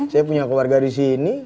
saya punya keluarga disini